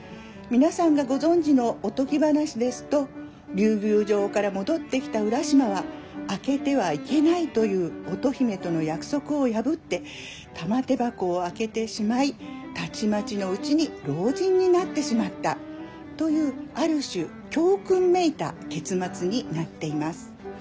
皆さんがご存じのおとぎ話ですと竜宮城から戻ってきた浦島は開けてはいけないという乙姫との約束を破って玉手箱を開けてしまいたちまちのうちに老人になってしまったというある種教訓めいた結末になっています。